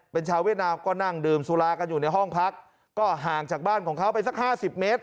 เป็นชาวเวียดนามก็นั่งดื่มสุรากันอยู่ในห้องพักก็ห่างจากบ้านของเขาไปสักห้าสิบเมตร